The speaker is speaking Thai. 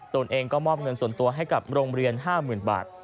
ตนเองก็มอบเงินส่วนตัวให้กับโรงเรียน๕๐๐๐บาท